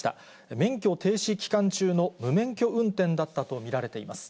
免許停止期間中の無免許運転だったと見られています。